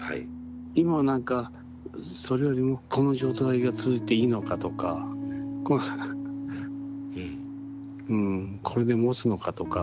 今は何かそれよりもこの状態が続いていいのかとかこんなうんこれで持つのかとか